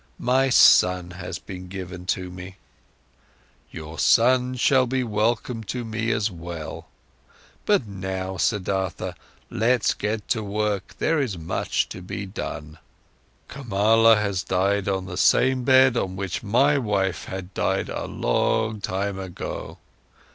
My son has been given to me." "Your son shall be welcome to me as well. But now, Siddhartha, let's get to work, there is much to be done. Kamala has died on the same bed on which my wife had died a long time ago.